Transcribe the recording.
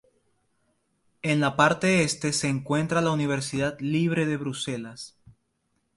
En la parte este se encuentra la Universidad Libre de Bruselas.